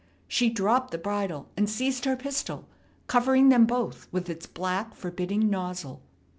She dropped the bridle, and seized her pistol, covering them both with its black, forbidding nozzle.